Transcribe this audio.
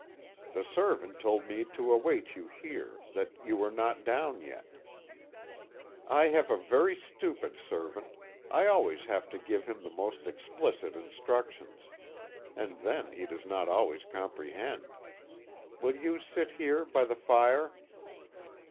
"The servant told me to await you here that you were not down yet." "I have a very stupid servant I always have to give him the most explicit instructions; and then he does not always comprehend. Will you sit here by the fire?"